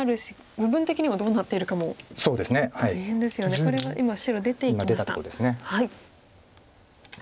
これは今白出ていきました。